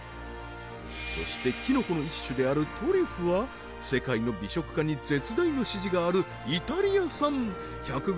そしてキノコの一種であるトリュフは世界の美食家に絶大の支持があるイタリア産１００ｇ